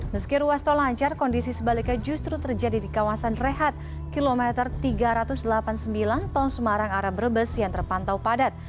meski ruas tol lancar kondisi sebaliknya justru terjadi di kawasan rehat kilometer tiga ratus delapan puluh sembilan tol semarang arah brebes yang terpantau padat